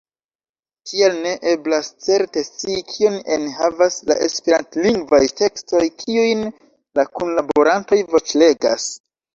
Tial ne eblas certe scii, kion enhavas la esperantlingvaj tekstoj, kiujn la kunlaborantoj voĉlegas.